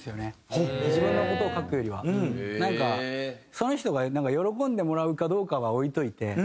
その人が喜んでもらうかどうかは置いといて。